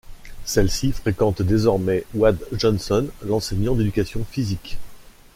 Celle-ci fréquente désormais Wade Johnson, l'enseignant d'éducation physique.